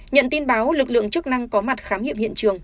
nhận tin báo lực lượng chức năng có mặt khám nghiệm hiện trường